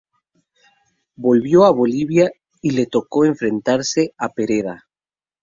Volvió a Bolivia y le tocó enfrentarse a Pereda.